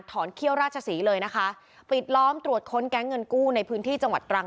เขี้ยวราชศรีเลยนะคะปิดล้อมตรวจค้นแก๊งเงินกู้ในพื้นที่จังหวัดตรัง